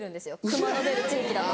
熊の出る地域だと。